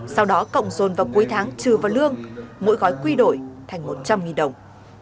sau đó cộng dồn vào cuối tháng trừ vào lương mỗi gói quy đổi thành một trăm linh đồng